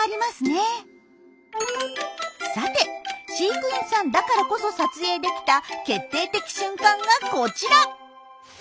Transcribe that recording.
さて飼育員さんだからこそ撮影できた決定的瞬間がこちら！